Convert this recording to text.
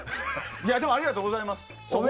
ありがとうございます。